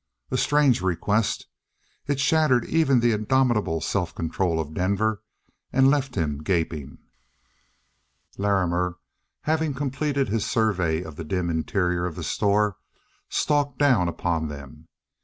A strange request. It shattered even the indomitable self control of Denver and left him gaping. Larrimer, having completed his survey of the dim interior of the store, stalked down upon them.